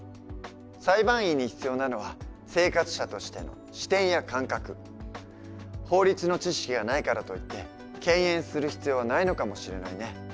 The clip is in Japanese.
裁判員に必要なのは法律の知識がないからといって敬遠する必要はないのかもしれないね。